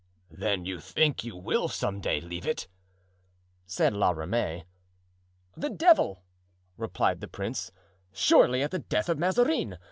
"Then you think you will some day leave it?" said La Ramee. "The devil!" replied the prince; "surely, at the death of Mazarin.